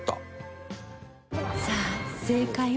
さあ正解は？